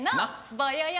ぼよよ